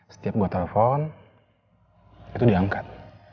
setiap gue telepon itu diangkat